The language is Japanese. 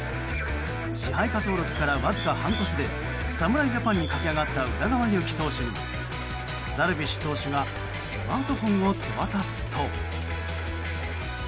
支配下登録からわずか半年で侍ジャパンに駆け上がった宇田川優希投手にダルビッシュ投手がスマートフォンを手渡すと。